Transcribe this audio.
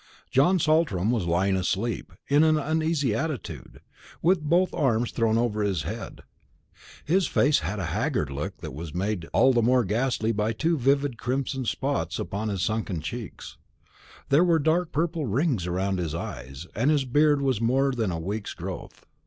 John Saltram was lying asleep, in an uneasy attitude, with both arms thrown over his head. His face had a haggard look that was made all the more ghastly by two vivid crimson spots upon his sunken cheeks; there were dark purple rings round his eyes, and his beard was of more than a week's growth.